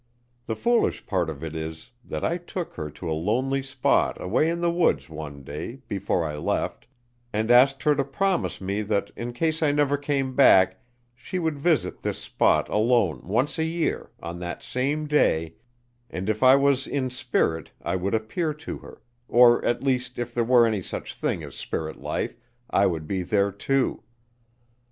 The foolish part of it is that I took her to a lonely spot away in the woods one day, before I left, and asked her to promise me that in case I never came back she would visit this spot alone once a year, on that same day, and if I was in spirit I would appear to her, or at least if there was any such thing as spirit life, I would be there, too.